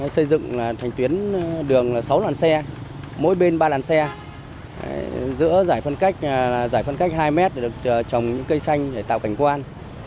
xây dựng thành tuyến đường sáu đoàn xe mỗi bên ba đoàn xe giữa giải phân cách hai m để được trồng cây xanh để tạo cảnh quan